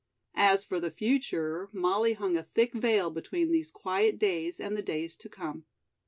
As for the future, Molly hung a thick veil between these quiet days and the days to come.